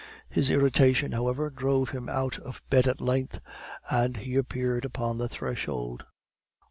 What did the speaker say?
His irritation, however, drove him out of bed at length, and he appeared upon the threshold.